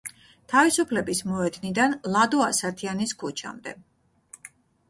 თავისუფლების მოედნიდან ლადო ასათიანის ქუჩამდე.